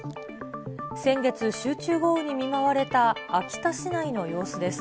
先月、集中豪雨に見舞われた秋田市内の様子です。